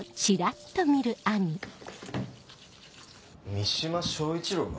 ・三島彰一郎が？